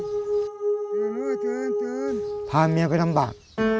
ตื่นพาเมียไปลำบาก